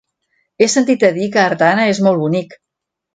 He sentit a dir que Artana és molt bonic.